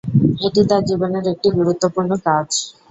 এটি তাঁর জীবনের একটি গুরুত্বপূর্ণ কাজ।